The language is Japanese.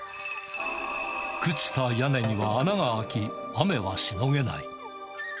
朽ちた屋根には穴が開き、雨はしのげない。